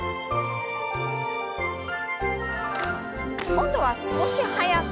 今度は少し速く。